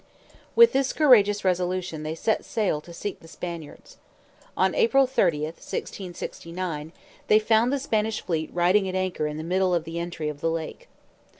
With this courageous resolution they set sail to seek the Spaniards. On April 30, 1669, they found the Spanish fleet riding at anchor in the middle of the entry of the lake.